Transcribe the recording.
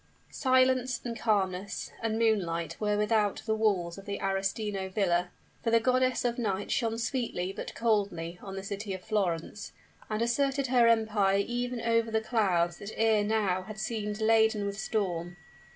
Silence, and calmness, and moonlight were without the walls of the Arestino villa; for the goddess of night shone sweetly but coldly on the city of Florence, and asserted her empire even over the clouds that ere now had seemed laden with storm.